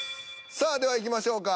さあではいきましょうか。